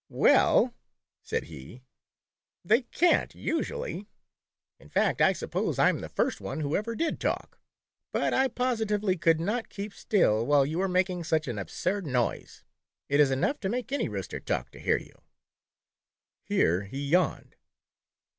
"Well," said he, they can't usually; in fact, I suppose I am the first one who ever did talk, but I positively could not keep still while you were making such an absurd noise. It is enough to make any rooster talk to hear you." Here he yawned.